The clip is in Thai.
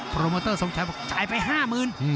โปรโมเตอร์สงชายบอกจ่ายไป๕หมื่น